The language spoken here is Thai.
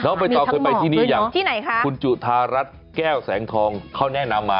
ใบตองเคยไปที่นี่ยังที่ไหนคะคุณจุธารัฐแก้วแสงทองเขาแนะนำมา